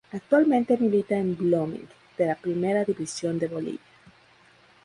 Actualmente milita en Blooming de la Primera División de Bolivia.